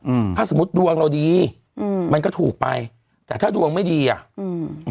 อืมถ้าสมมุติดวงเราดีอืมมันก็ถูกไปแต่ถ้าดวงไม่ดีอ่ะอืม